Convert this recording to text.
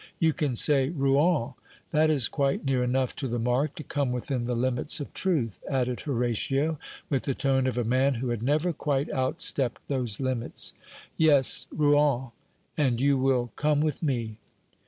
You can say Rouen. That is quite near enough to the mark to come within the limits of truth," added Horatio, with the tone of a man who had never quite outstepped those limits. "Yes, Rouen. And you will come with me."